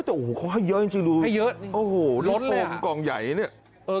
แต่เขาให้เยอะจริงดูเนี่ยกล่องใหญ่เนี่ย